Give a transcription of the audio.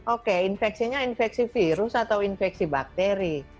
oke infeksinya infeksi virus atau infeksi bakteri